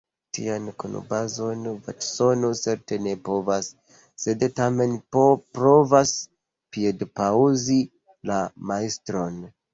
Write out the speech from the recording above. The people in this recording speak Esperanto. Tian konobazon Vatsono certe ne posedas, sed tamen provas piedpaŭsi la Majstron.